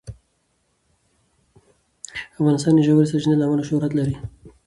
افغانستان د ژورې سرچینې له امله شهرت لري.